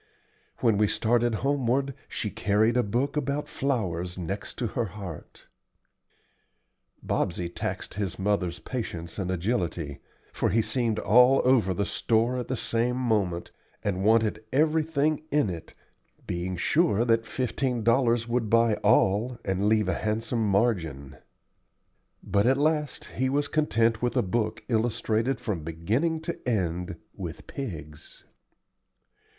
When we started homeward she carried a book about flowers next to her heart. Bobsey taxed his mother's patience and agility, for he seemed all over the store at the same moment, and wanted everything in it, being sure that fifteen dollars would buy all and leave a handsome margin; but at last he was content with a book illustrated from beginning to end with pigs.